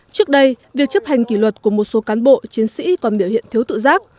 trước đây việc chấp hành kỷ luật của một số cán bộ chiến sĩ còn biểu hiện thiếu tự giác